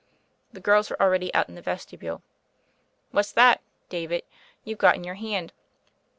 The girh were already out in the vestibule. "What's that, David, you've got in your hand?"